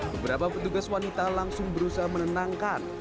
beberapa petugas wanita langsung berusaha menenangkan